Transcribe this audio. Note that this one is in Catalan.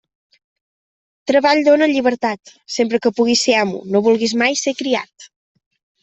Treball dóna llibertat; sempre que puguis ser amo, no vulguis mai ser criat.